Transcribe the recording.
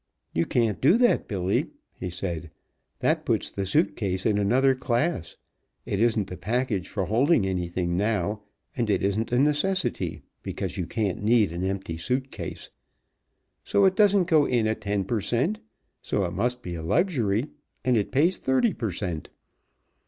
"You can't do that, Billy," he said. "That puts the suit case in another class. It isn't a package for holding anything now, and it isn't a necessity because you can't need an empty suit case so it doesn't go in at ten per cent., so it must be a luxury, and it pays thirty per cent."